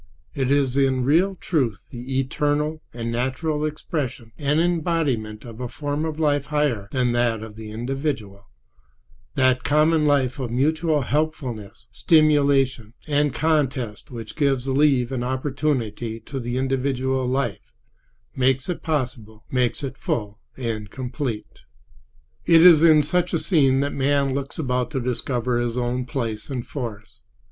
It is in real truth the eternal and natural expression and embodiment of a form of life higher than that of the individual—that common life of mutual helpfulness, stimulation, and contest which gives leave and opportunity to the individual life, makes it possible, makes it full and complete. It is in such a scene that man looks about to discover his own place and force.